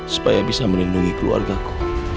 supaya bisa melindungi keluargaku